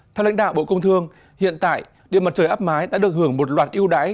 theo lãnh đạo bộ công thương hiện tại điện mặt trời áp mái đã được hưởng một loạt yêu đáy